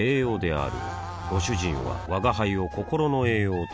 あぁご主人は吾輩を心の栄養という